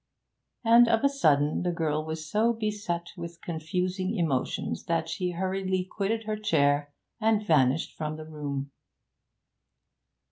And of a sudden the girl was so beset with confusing emotions that she hurriedly quitted her chair and vanished from the room.